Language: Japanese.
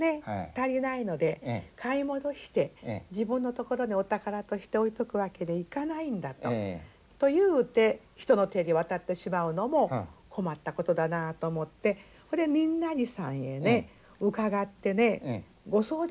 足りないので買い戻して自分のところにお宝として置いとくわけにいかないんだと。というて人の手に渡ってしまうのも困ったことだなと思ってこれ仁和寺さんへね伺ってねご相談を申し上げたと。